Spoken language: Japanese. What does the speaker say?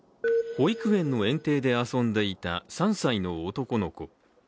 保育園の園庭で遊んでいた３歳の男の子。